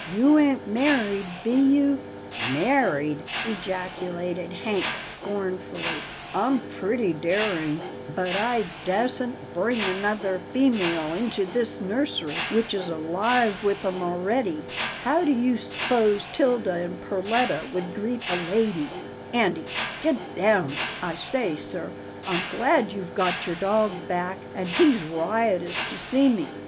" You ain't married, be you? "" Married !" ejaculated Hank, scornfully, " I'm pretty daring, but I dassent bring another female into this nursery which is alive with 'em already — How do you s'pose 'Tilda and Perletta would greet a lady — Andy get down — I say sir, I'm glad you've got your dog back, and he's riotous to see me.